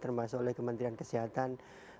termasuk oleh kementerian kesehatan